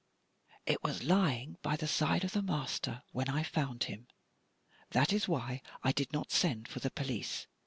" It was lying by the side of the master when I found him. That is why I did not send for the police.